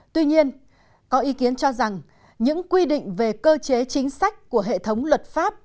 tuy nhiên có ý kiến cho rằng những quy định về cơ chế chính sách của hệ thống luật pháp